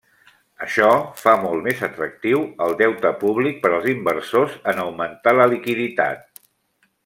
Això fa molt més atractiu el deute públic per als inversors, en augmentar la liquiditat.